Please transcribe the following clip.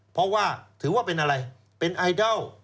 เพราะว่าถือว่าเป็นอะไรเป็นไอดอล